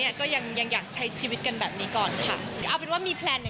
สองปีมาเลยสองปี